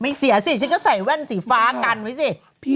เสียสิฉันก็ใส่แว่นสีฟ้ากันไว้สิ